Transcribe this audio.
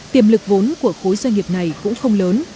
tiềm lực vốn của khối doanh nghiệp này cũng không lớn